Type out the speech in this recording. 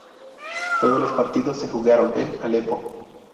Todos los partidos se jugaron en Aleppo.